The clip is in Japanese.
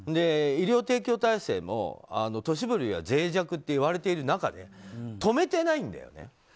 医療提供体制も都市部よりはぜい弱と言われている中で止めてないんだよね。